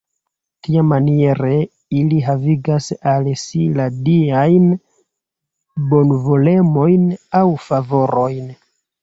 Tiamaniere ili havigas al si la diajn bonvolemojn aŭ favorojn.